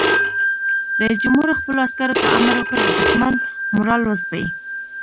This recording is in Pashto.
رئیس جمهور خپلو عسکرو ته امر وکړ؛ د دښمن مورال وځپئ!